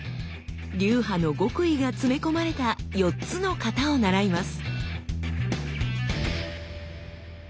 流派の極意が詰め込まれた４つの形を習います。